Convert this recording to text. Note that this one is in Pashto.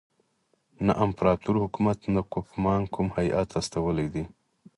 نه امپراطور حکومت نه کوفمان کوم هیات استولی دی.